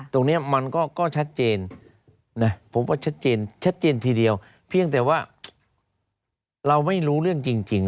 ตรงนี้มันก็ชัดเจนนะผมว่าชัดเจนชัดเจนทีเดียวเพียงแต่ว่าเราไม่รู้เรื่องจริง